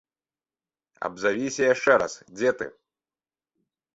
Абзавіся яшчэ раз, дзе ты?